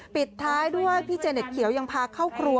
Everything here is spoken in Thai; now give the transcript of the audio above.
ปิดท้ายด้วยพี่เจเน็ตเขียวยังพาเข้าครัว